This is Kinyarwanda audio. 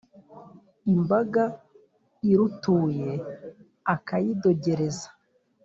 Imbaga irutuye akayidogereza .